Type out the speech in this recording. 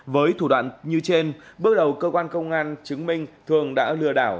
với thủ đoạn như trên bước đầu cơ quan công an chứng minh thường đã lừa đảo